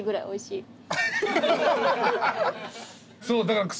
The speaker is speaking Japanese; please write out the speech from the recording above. おいしい！